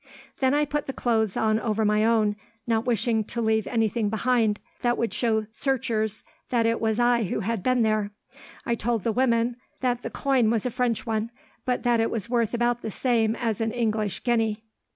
"Then I put the clothes on over my own, not wishing to lave anything behind that would show searchers that it was I who had been there. I told the woman that the coin was a French one, but that it was worth about the same as an English guinea.